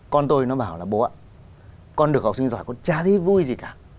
con tôi nó bảo là bố ạ con được học sinh giỏi con chả thấy vui gì cả